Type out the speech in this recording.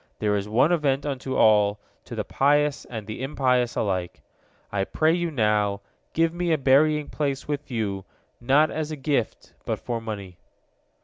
There is one event unto all, to the pious and the impious alike. I pray you now, give me a burying place with you, not as a gift, but for money."